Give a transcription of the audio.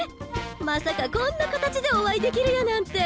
まさかこんな形でお会いできるやなんて！